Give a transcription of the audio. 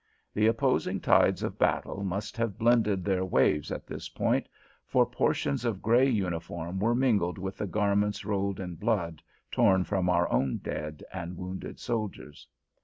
The opposing tides of battle must have blended their waves at this point, for portions of gray uniform were mingled with the "garments rolled in blood" torn from our own dead and wounded soldiers.